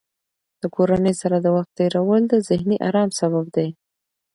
د کورنۍ سره د وخت تېرول د ذهني ارام سبب دی.